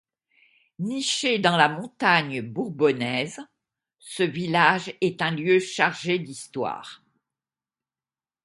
Niché dans la Montagne bourbonnaise, ce village est un lieu chargé d'histoire.